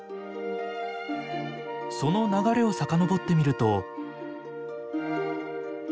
その流れを遡ってみると。